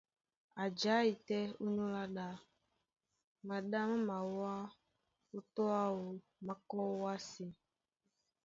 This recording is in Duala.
A jái tɛ́ ónyólá ɗá, maɗá má mawá ó tô áō, má kɔ́ ówásē.